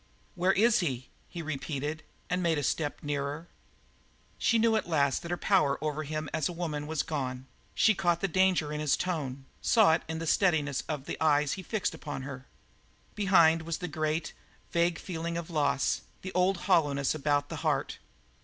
"Where is he?" he repeated, and made a step nearer. She knew at last that her power over him as a woman was gone; she caught the danger of his tone, saw it in the steadiness of the eyes he fixed upon her. Behind was a great, vague feeling of loss, the old hollowness about the heart.